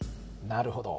なるほど。